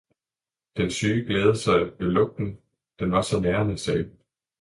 den syge glædede sig ved lugten, den var så nærende, sagde hun.